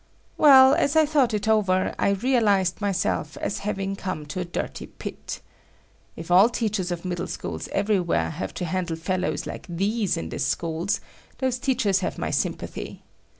Well, as I thought it over, I realized myself as having come to a dirty pit. If all teachers of middle schools everywhere have to handle fellows like these in this school, those teachers have my sympathy.